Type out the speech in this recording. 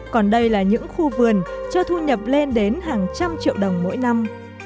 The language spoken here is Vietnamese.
còn đây là những khu vườn cho thu nhập lên đến hàng trăm triệu đồng mỗi năm